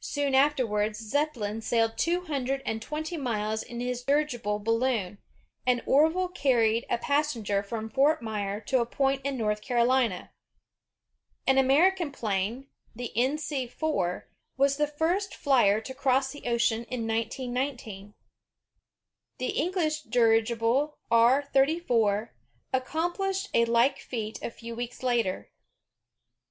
Soon after wards, Zeppelin sailed twohimdred and twenty miles in his dirigible balloon, and Orville Wright carried a pas senger from Fort Myer to a point in North Carolina. An Ameri can airplane, the NC 4, was the first flyer to cross the ocean, in 1919. The English dirigible R 34 accomplished a like feat a few weeks later.